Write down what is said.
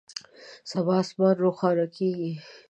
سبا اسمان روښانه کیږي